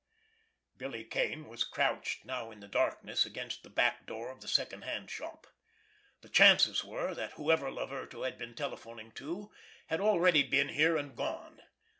Billy Kane was crouched now in the darkness against the back door of the second hand shop. The chances were that whoever Laverto had been telephoning to had already been here and gone.